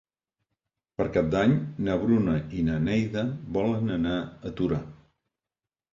Per Cap d'Any na Bruna i na Neida volen anar a Torà.